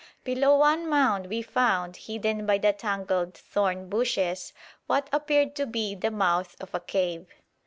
Below one mound we found, hidden by the tangled thorn bushes, what appeared to be the mouth of a cave.